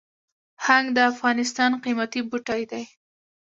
هنګ د افغانستان قیمتي بوټی دی